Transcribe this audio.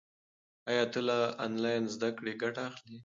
آیا ته له انلاین زده کړې ګټه اخلې؟